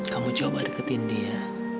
kamu coba deketin dia